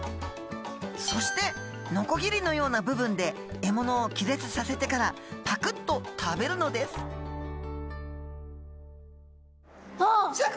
そしてノコギリのような部分で獲物を気絶させてからパクッと食べるのですあっ！